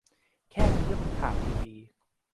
แค่นี้ก็เป็นข่าวทีวี !